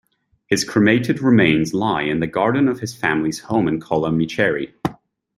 His cremated remains lie in the garden of his family's home in Colla Micheri.